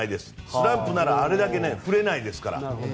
スランプならあれだけ振れないですから。